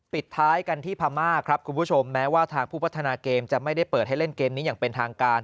ปิดท้ายกันที่พม่าครับคุณผู้ชมแม้ว่าทางผู้พัฒนาเกมจะไม่ได้เปิดให้เล่นเกมนี้อย่างเป็นทางการ